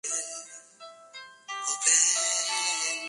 Se encuentra en la colección del Museo Metropolitano de Arte en Nueva York.